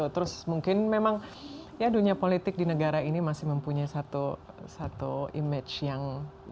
terus mungkin memang ya dunia politik di negara ini masih mempunyai satu image yang